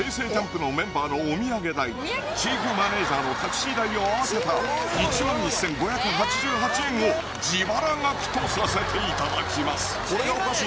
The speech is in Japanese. ＪＵＭＰのメンバーのお土産代チーフマネージャーのタクシー代を合わせた１１５８８円を自腹額とさせていただきます